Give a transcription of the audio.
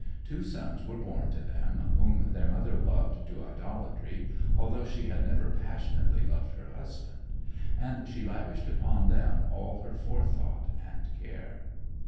Two sons were born to them, whom their mother loved to idolatry, although she had never passionately loved her husband; and she lavished upon them all her forethought and care.